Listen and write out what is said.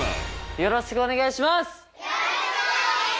よろしくお願いします！